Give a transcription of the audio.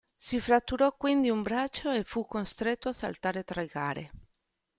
Si fratturò quindi un braccio e fu costretto a saltare tre gare.